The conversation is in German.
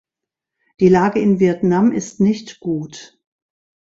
Die Lage in Vietnam ist nicht gut.